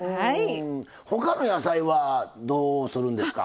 他の野菜はどうするんですか？